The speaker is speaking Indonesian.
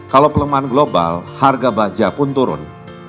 kalau pelemahan global harga baja pun turun